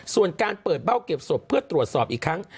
ส่วนการเปิดเบ้าเก็บศพเพื่อตรวจสอบอีกครั้ง